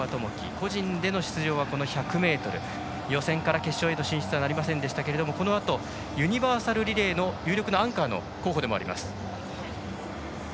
個人での出場は、この１００ｍ予選から決勝への進出とはなりませんでしたがこのあとユニバーサルリレーの有力なアンカーの候補でもあります。